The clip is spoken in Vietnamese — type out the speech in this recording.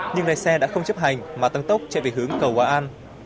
nhưng lái xe đã không chấp hành mà tăng tốc chạy về hướng cầu hòa an